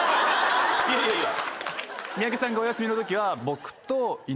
いやいやいや。